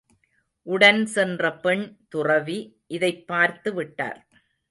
உடன் சென்ற பெண் துறவி இதைப் பார்த்து விட்டார்.